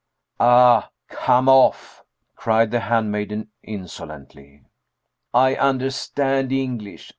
_" "Ah, come off!" cried the handmaiden insolently. "I understand English.